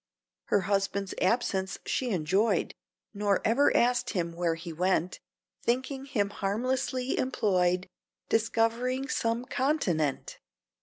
Her husband's absence she enjoyed, Nor ever asked him where he went, Thinking him harmlessly employed Discovering some Continent.